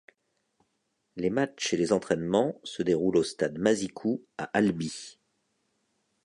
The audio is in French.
Les matchs et les entraînements se déroulent au stade Mazicou à Albi.